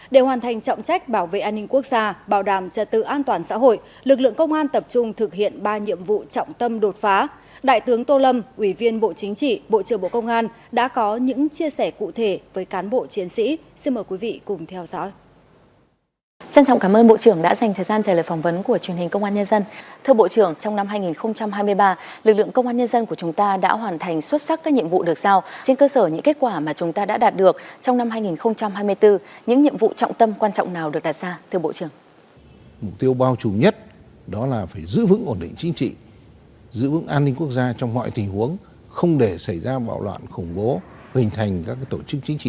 để hoàn thành trọng trách bảo vệ an ninh quốc gia bảo đảm trợ tự an toàn xã hội lực lượng công an tập trung thực hiện ba nhiệm vụ trọng tâm đột phá đại tướng tô lâm ủy viên bộ chính trị bộ trưởng bộ công an đã có những chia sẻ cụ thể với cán bộ chiến sĩ